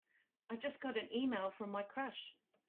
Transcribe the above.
I just got an e-mail from my crush!